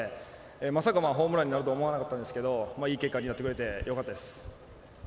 まさかホームランになるとは思ってなかったですけどいい結果になってよかったです。